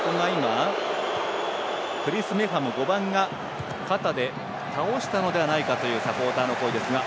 クリス・メファム、５番が肩で倒したのではないかとのサポーターの声ですが。